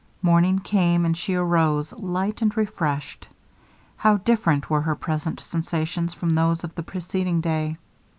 Morning came, and she arose light and refreshed. How different were her present sensations from those of the preceding day.